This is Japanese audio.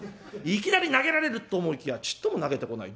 いきなり投げられると思いきやちっとも投げてこない。